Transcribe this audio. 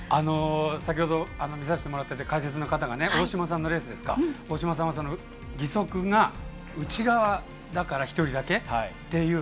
先ほど見させてもらった解説の方が大島さんのレースですか１人だけ義足が内側だからっていう。